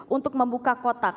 untuk membuka kotak